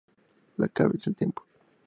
La clave es el tiempo.